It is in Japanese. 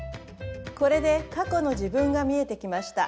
これで過去の自分が見えてきました。